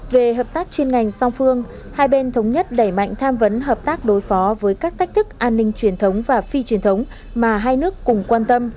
về hợp tác chuyên ngành song phương hai bên thống nhất đẩy mạnh tham vấn hợp tác đối phó với các tách thức an ninh truyền thống và phi truyền thống mà hai nước cùng quan tâm